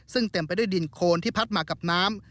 ซึ่งเต็มไปด้วยดินโคนที่พัดมากับน้ำ